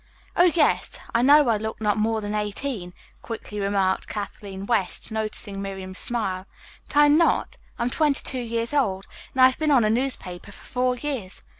"Oh, yes, I know I look not more than eighteen," quickly remarked Kathleen West, noticing Miriam's smile. "But I'm not. I'm twenty two years old, and I've been on a newspaper for four years.